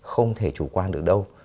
không thể chủ quan được đâu